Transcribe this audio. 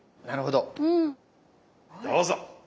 どうぞ。